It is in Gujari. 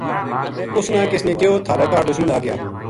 اُس نا کِسنے کہیو تھارے کاہڈ دشمن آگیا